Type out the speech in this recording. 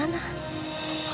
mas wisnu tinggal dimana